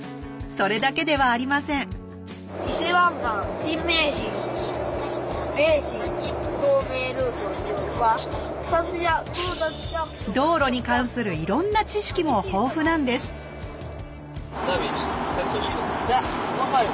それだけではありません道路に関するいろんな知識も豊富なんです分かる？